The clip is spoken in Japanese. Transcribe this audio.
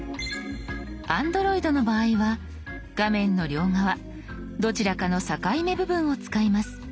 Ａｎｄｒｏｉｄの場合は画面の両側どちらかの境目部分を使います。